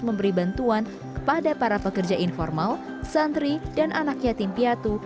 memberi bantuan kepada para pekerja informal santri dan anak yatim piatu